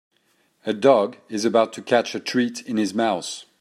A dog is about to catch a treat in his mouth.